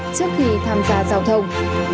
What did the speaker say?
trước khi tham gia giao thông